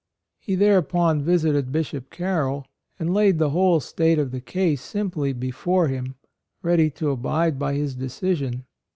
He thereupon visited Bishop Carroll, and laid the whole state of the case simply before him, ready to abide by his decision.